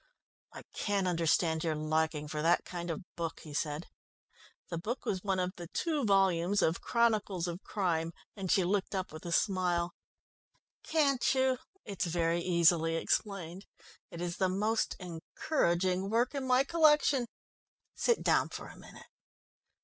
"I can't understand your liking for that kind of book," he said. The book was one of the two volumes of "Chronicles of Crime," and she looked up with a smile. "Can't you? It's very easily explained. It is the most encouraging work in my collection. Sit down for a minute."